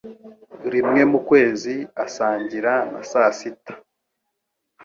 Rimwe mu kwezi, asangira na sasita.